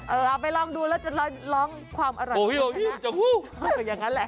เออเอาไปลองดูแล้วจะลองความอร่อยขึ้นค่ะโอ้โฮโอ้โฮจังหู้อย่างนั้นแหละ